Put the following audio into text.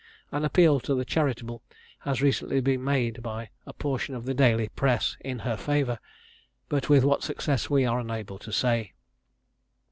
An appeal to the charitable has recently been made, by a portion of the daily press, in her favour, but with what success we are unable to say.